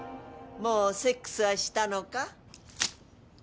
もうセックスはしたのか？